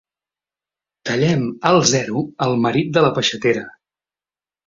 Tallem al zero el marit de la peixatera.